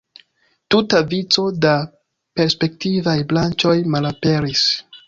Tuta vico da perspektivaj branĉoj malaperis.